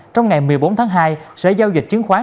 trong ngày một mươi bốn tháng hai sở giao dịch chứng khoán